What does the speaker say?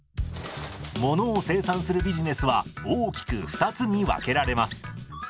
ものを生産するビジネスは大きく２つに分けられます。